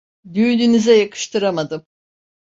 Düğününüze yakıştıramadım…